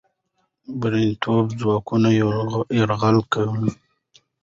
برتانوي ځواکونه یرغل کوله.